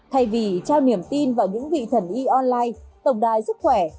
thay vì trao niềm tin vào những vị thần y online tổng đài sức khỏe